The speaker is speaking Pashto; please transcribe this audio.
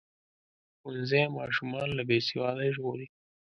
ښوونځی ماشومان له بې سوادۍ ژغوري.